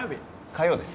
火曜です